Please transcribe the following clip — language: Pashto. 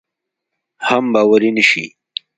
حم باور مې نشي.